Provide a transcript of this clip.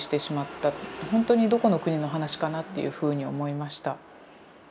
ほんとにどこの国の話かな？っていうふうに思いました。